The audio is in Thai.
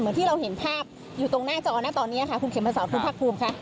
เหมือนที่เราเห็นภาพอยู่ตรงหน้าจอหน้าตอนเนี้ยค่ะคุณเข็มมาสอบคุณพรรคภูมิค่ะ